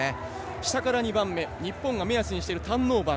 下から２番目日本が目安にしているターンオーバー